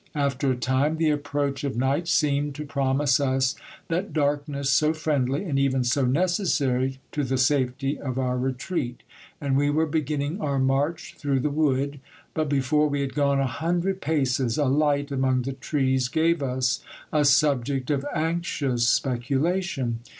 After a time, the approach of night seemed to promise us that darkness so friendly, and even so necessary, to the safety of our retreat ; and we were beginning our march through the wood : but before we had gone a hundred paces, a light among the trees gave us a subject of anxious speculation.